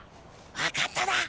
分かっただ！